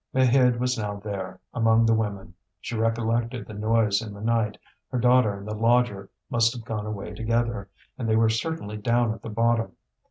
Maheude was now there, among the women. She recollected the noise in the night; her daughter and the lodger must have gone away together, and they were certainly down at the bottom.